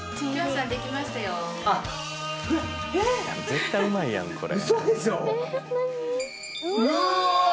絶対うまいやんこれ。